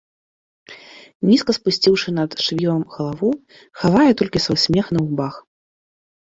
Нізка спусціўшы над швівам галаву, хавае толькі свой смех на губах.